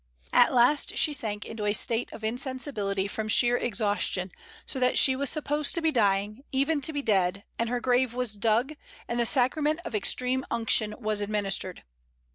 At last she sank into a state of insensibility from sheer exhaustion, so that she was supposed to be dying, even to be dead; and her grave was dug, and the sacrament of extreme unction was administered.